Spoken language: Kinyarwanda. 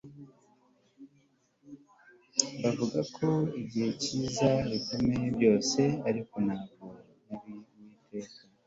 bavuga ko igihe gikiza ibikomere byose. ariko ntabwo yari uwiteka